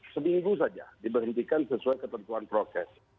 seminggu saja diberhentikan sesuai ketentuan prokes